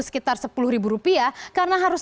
sekitar sepuluh rupiah karena harus